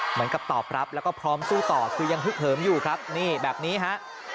เหมือนกับตอบรับแล้วก็พร้อมสู้ต่อคือยังฮึกเหิมอยู่ครับนี่แบบนี้ฮะ